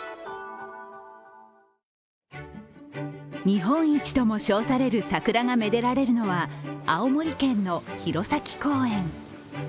日本一とも称される桜がめでられるのは青森県の弘前公園。